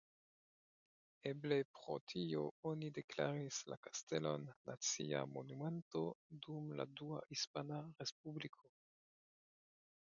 Eble pro tio oni deklaris la kastelon Nacia Monumento dum la Dua Hispana Respubliko.